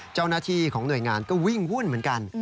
เจ้าหน้าที่ของหน่วยงานก็วิ่งวุ่นเหมือนกัน